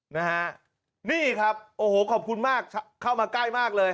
นะฮะนี่ครับโอ้โหขอบคุณมากเข้ามาใกล้มากเลย